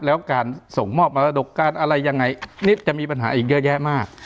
แล้วการส่งมอบมรดกการอะไรยังไงนิดจะมีปัญหาอีกเยอะแยะมาก